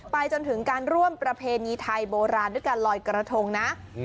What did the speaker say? ไปจนถึงการร่วมประเพณีไทยโบราณด้วยการลอยกระทงนะ